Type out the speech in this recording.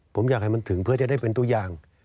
ผมอยากให้มันถึงเพื่อจะได้เป็นตัวอย่าง